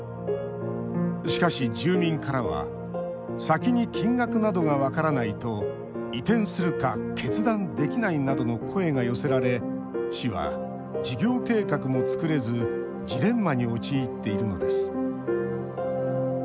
しかし、住民からは「先に金額などが分からないと移転するか決断できない」などの声が寄せられ市は事業計画も作れずジレンマに陥っているのです。